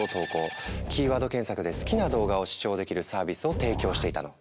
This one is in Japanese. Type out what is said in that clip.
キーワード検索で好きな動画を視聴できるサービスを提供していたの。